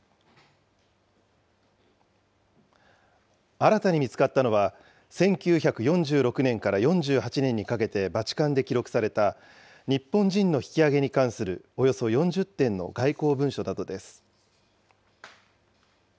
新たに見つかったのは、１９４６年から４８年にかけてバチカンで記録された、日本人の引き揚げに関するおよそ４０点の外交文書などです。